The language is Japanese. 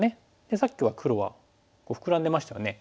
さっきは黒はフクラんでましたよね。